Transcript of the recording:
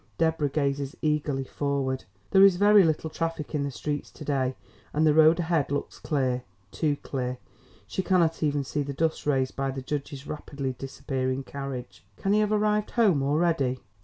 Deborah gazes eagerly forward. There is very little traffic in the streets to day and the road ahead looks clear too clear, she cannot even see the dust raised by the judge's rapidly disappearing carriage. Can he have arrived home already?